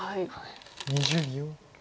２０秒。